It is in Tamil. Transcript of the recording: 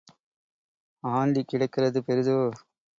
ஆண்டி கிடக்கிறது பெரிதோ?